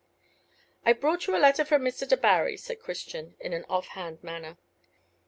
"I've brought you a letter from Mr. Debarry," said Christian, in an off hand manner.